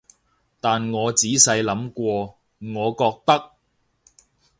但我仔細諗過，我覺得